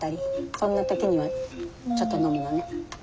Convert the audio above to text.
そんな時にはちょっと飲むのね。